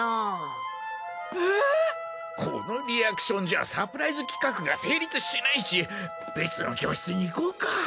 このリアクションじゃサプライズ企画が成立しないし別の教室に行こうか。